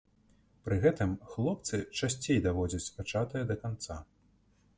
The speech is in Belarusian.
Пры гэтым хлопцы часцей даводзяць пачатае да канца.